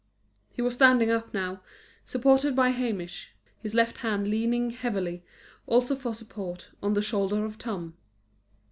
He was standing up now, supported by Hamish, his left hand leaning heavily, also for support, on the shoulder of Tom.